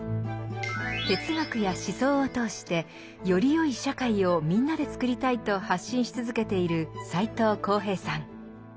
哲学や思想を通してよりよい社会をみんなでつくりたいと発信し続けている斎藤幸平さん。